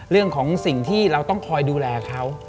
เรื่องของสิ่งที่เราต้องคอยดูแลเขา